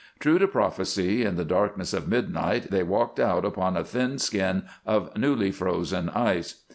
True to prophecy, in the darkness of midnight they walked out upon a thin skin of newly frozen ice.